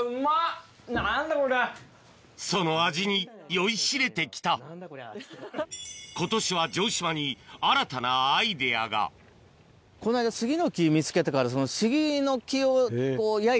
その味に酔いしれてきた今年は城島に新たなアイデアがこの間杉の木見つけたから。